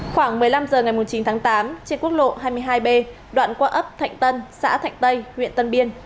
khoảng một mươi năm h ngày chín tháng tám trên quốc lộ hai mươi hai b đoạn qua ấp thạnh tân xã thạnh tây huyện tân biên